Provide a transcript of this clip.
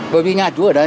bởi vì nhà chú ở đây